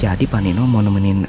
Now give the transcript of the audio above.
jadi pandino mau nemenin